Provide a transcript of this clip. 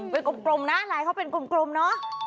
เป็นกลมนะลายเขาเป็นกลมเนอะ